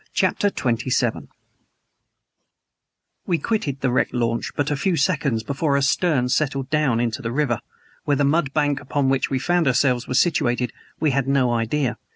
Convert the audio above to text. CHAPTER XXVII WE quitted the wrecked launch but a few seconds before her stern settled down into the river. Where the mud bank upon which we found ourselves was situated we had no idea.